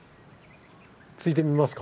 ついてみますか？